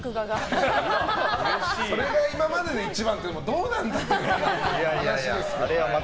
それが今までの一番ってどうなんだって話ですけど。